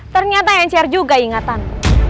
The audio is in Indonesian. ternyata yang share juga ingatan